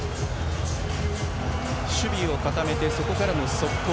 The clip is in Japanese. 守備を固めて、そこからの速攻。